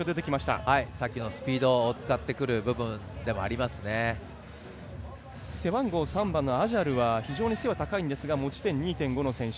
スピードを使ってくる背番号３番のアジャルは非常に背が高いんですが持ち点２．５の選手。